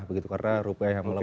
karena rupiah yang lebih murah